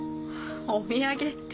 お土産って。